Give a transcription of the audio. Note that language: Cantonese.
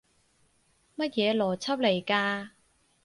乜嘢邏輯嚟㗎？